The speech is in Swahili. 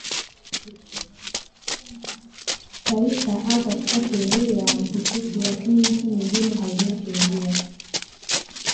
taifa au katika sheria mahsusi lakini nchi nyingine hazina sheria